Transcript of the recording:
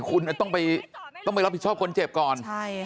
คุณต้องไปรับผิดชอบคนเจ็บก่อน